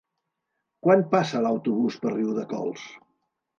Quan passa l'autobús per Riudecols?